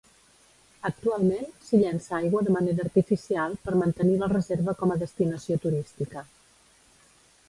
Actualment, s'hi llença aigua de manera artificial per mantenir la reserva com a destinació turística.